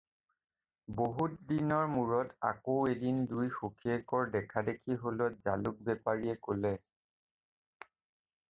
বহুত দিনৰ মূৰত আকৌ এদিন দুই সখিয়েকৰ দেখাদেখি হ'লত জালুক বেপাৰীয়ে ক'লে।